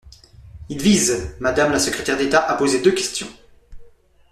Il vise, madame la secrétaire d’État, à poser deux questions.